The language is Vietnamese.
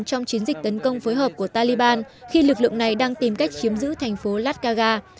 trong chiến dịch tấn công phối hợp của taliban khi lực lượng này đang tìm cách chiếm giữ thành phố latkaga